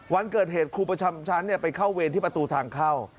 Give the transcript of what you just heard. วันเกิดเหตุครูประจำชั้นไปเข้าเวรที่ประตูทางเข้า